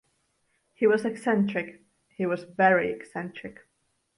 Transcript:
He was eccentric — he was very eccentric.